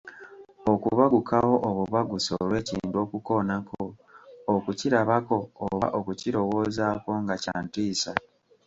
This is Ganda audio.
Okubagukawo obubagusi olw’ekintu okukoonako, okukirabako oba okukirowoozaako nga kya ntiisa.